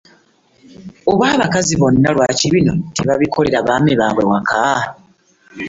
Oba abakazi bonna lwaki bino tebabikolera baami baabwe awaka!